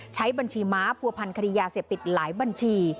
ใช้บัญชีม้าผัวพันคดียาเสพติดหลายบัญชี